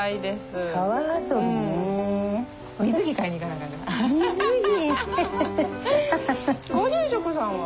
ご住職さんは？